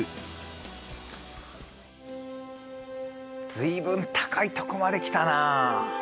随分高いとこまで来たなあ。